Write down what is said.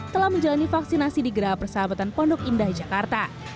telah menjalani vaksinasi di geraha persahabatan pondok indah jakarta